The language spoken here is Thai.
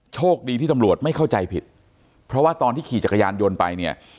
โชคดีที่ตำรวจไม่เข้าใจผิดเพราะว่าตอนที่ขี่จักรยานยนต์ไปเนี่ย